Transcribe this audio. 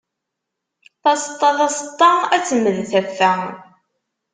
Taseṭṭa, taseṭṭa, ad temmed taffa.